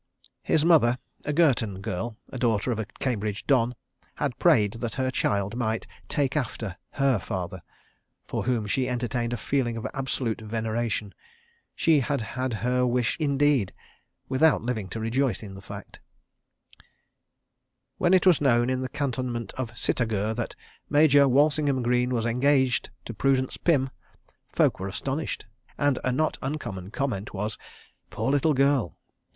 . His mother, a Girton girl, and daughter of a Cambridge Don, had prayed that her child might "take after" her father, for whom she entertained a feeling of absolute veneration. She had had her wish indeed—without living to rejoice in the fact. When it was known in the cantonment of Sitagur that Major Walsingham Greene was engaged to Prudence Pym, folk were astonished, and a not uncommon comment was "Poor little girl!"